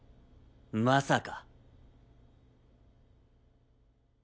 まさか。